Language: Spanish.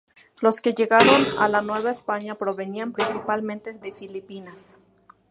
Los que llegaron a la Nueva España provenían principalmente de Filipinas.